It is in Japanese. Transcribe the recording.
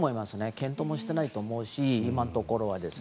検討もしていないと思うし今のところは。